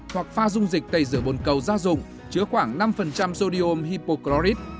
hoặc pha dung dịch tẩy rửa bồn cầu ra dùng chứa khoảng năm sodium hypochlorite